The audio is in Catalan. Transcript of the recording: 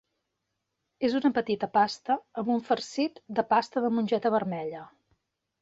És una petita pasta amb un farcit de pasta de mongeta vermella.